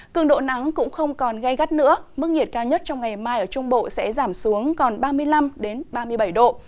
cường độ nắng cũng không còn gây gắt nữa mức nhiệt cao nhất trong ngày mai ở trung bộ sẽ giảm xuống còn ba mươi năm ba mươi bảy độ